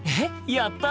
やった！